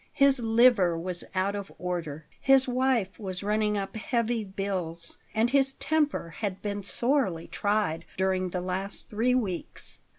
His liver was out of order, his wife was running up heavy bills, and his temper had been sorely tried during the last three weeks.